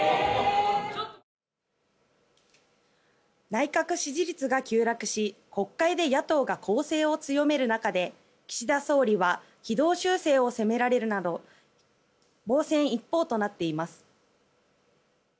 内閣支持率が急落し国会で野党が攻勢を強める中で岸田総理は軌道修正を迫られるなど防戦一方となっています。